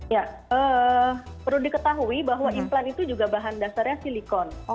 ya perlu diketahui bahwa implan itu juga bahan dasarnya silikon